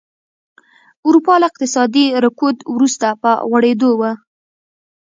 اروپا له اقتصادي رکود وروسته په غوړېدو وه.